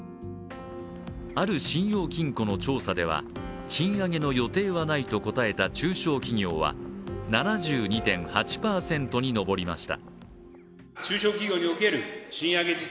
ある信用金庫の調査では賃上げの予定はないと答えた中小企業は７２．８％に上りました。